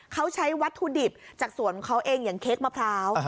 เขาใช้วัตถุดิบจากสวนของเขาเองอย่างเค้กมะพร้าว